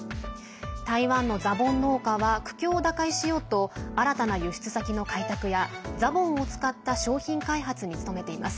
台湾のザボン農家は苦境を打開しようと新たな輸出先の開拓やザボンを使った商品開発に努めています。